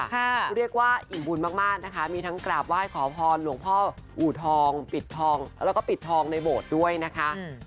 เขาเรียกว่าอิ่มบุญมากนะคะมีทั้งกราบไหว้ขอพรหลวงพ่ออูทองปิดทองแล้วก็ปิดทองในโบสถ์ด้วยนะคะ